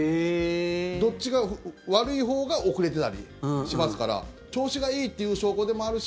どっちか悪いほうが遅れてたりしますから調子がいいという証拠でもあるし。